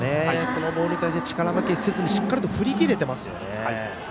そのボールに対して力負けせずにしっかりと振り切れてますよね。